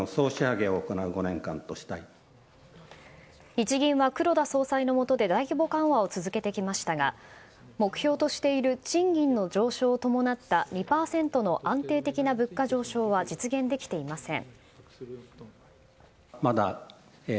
日銀は、黒田総裁のもとで大規模緩和を続けてきましたが目標としている賃金の上昇を伴った２％の安定的な物価上昇は実現できていません。